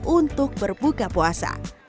untuk berbuka puasa